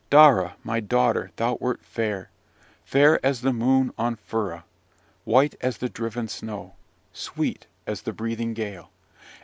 Daura, my daughter, thou wert fair, fair as the moon on Fura, white as the driven snow, sweet as the breathing gale.